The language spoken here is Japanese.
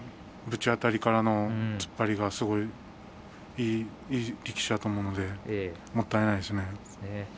ぶちあたりからの突っ張りがすごくいい力士だと思うのでもったいないですね。